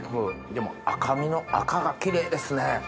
でも赤身の赤がキレイですね。